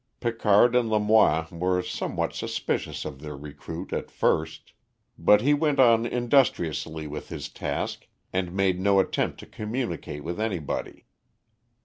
Picard and Lamoine were somewhat suspicious of their recruit at first, but he went on industriously with his task, and made no attempt to communicate with anybody.